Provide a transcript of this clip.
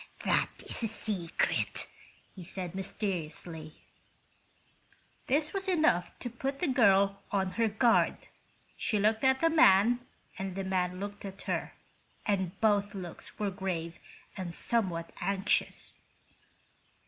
"That is a secret," he said, mysteriously. This was enough to put the girl on her guard. She looked at the man and the man looked at her, and both looks were grave and somewhat anxious.